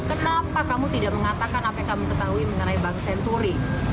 kenapa kamu tidak mengatakan apa yang kamu ketahui mengenai bank senturi